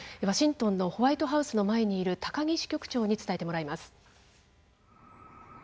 ワシントンのホワイトハウスの前にいる高木支局長に伝えてもらいます。